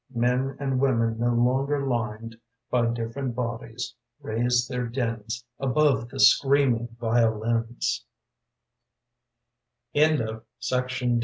Men and women no longer lined By different bodies raise their dins Above the screaming violi